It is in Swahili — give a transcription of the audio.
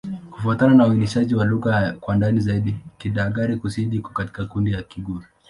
Kufuatana na uainishaji wa lugha kwa ndani zaidi, Kidagaare-Kusini iko katika kundi la Kigur.